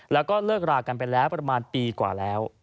แล้วก็เลิกรากันไปแล้วประมาณปีกว่าแล้ว